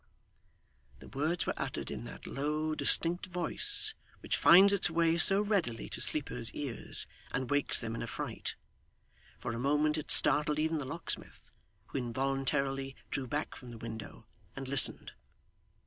The words were uttered in that low distinct voice which finds its way so readily to sleepers' ears, and wakes them in a fright. For a moment it startled even the locksmith; who involuntarily drew back from the window, and listened.